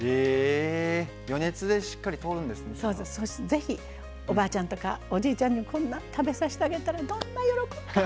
是非おばあちゃんとかおじいちゃんにこんな食べさしてあげたらどんな喜ぶか。